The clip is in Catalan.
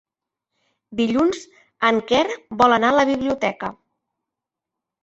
Dilluns en Quer vol anar a la biblioteca.